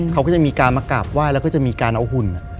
เขาก็จะมีการมากราบไหว้แล้วก็จะมีการเอาหุ่น